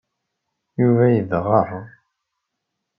Yuba yedɣer.